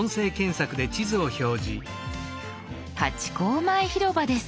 ハチ公前広場です。